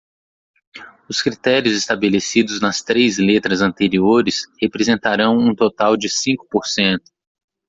Os critérios estabelecidos nas três letras anteriores representarão um total de cinco por cento.